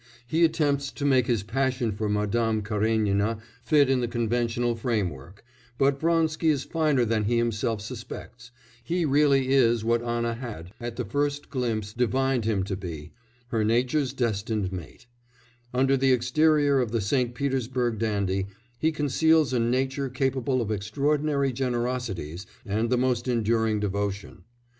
He attempts to make his passion for Madame Karénina fit in the conventional framework, but Vronsky is finer than he himself suspects; he really is what Anna had, at the first glimpse, divined him to be her nature's destined mate; under the exterior of the St. Petersburg dandy, he conceals a nature capable of extraordinary generosities and the most enduring devotion.